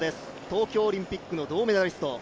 東京オリンピックの銅メダリスト。